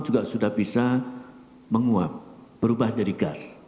juga sudah bisa menguap berubah jadi gas